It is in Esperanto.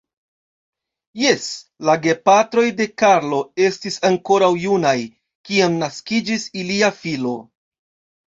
Jes, la gepatroj de Karlo, estis ankoraŭ junaj, kiam naskiĝis ilia filo.